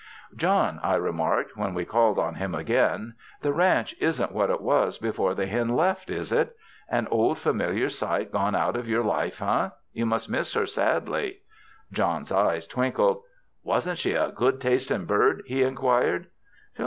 "John," I remarked, when we called on him again, "the ranch isn't what it was before the hen left, is it? An old familiar sight gone out of your life, eh? You must miss her sadly." John's eyes twinkled. "Wasn't she a good tastin' bird?" he inquired.